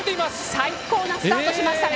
最高なスタートしましたね。